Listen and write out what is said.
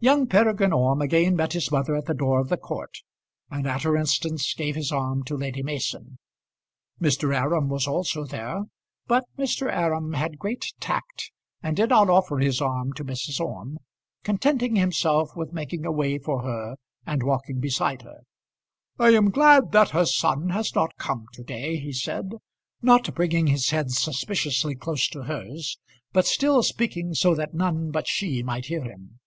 Young Peregrine Orme again met his mother at the door of the court, and at her instance gave his arm to Lady Mason. Mr. Aram was also there; but Mr. Aram had great tact, and did not offer his arm to Mrs. Orme, contenting himself with making a way for her and walking beside her. "I am glad that her son has not come to day," he said, not bringing his head suspiciously close to hers, but still speaking so that none but she might hear him.